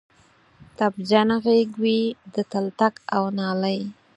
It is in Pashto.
تبجنه غیږ وی د تلتک او نالۍ